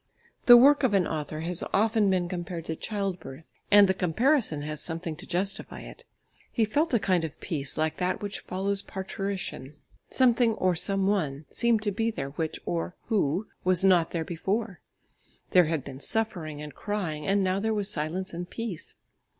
The work of an author has often been compared to childbirth, and the comparison has something to justify it. He felt a kind of peace like that which follows parturition; something or some one seemed to be there which, or who, was not there before; there had been suffering and crying and now there was silence and peace.